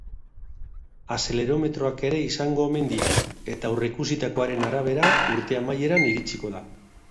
Azelerometroak ere izango omen ditu eta aurrikusitakoaren arabera, urte amaieran iritsiko da.